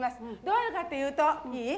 どうやるかっていうといい？